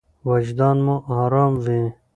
وجدان مو ارام وي.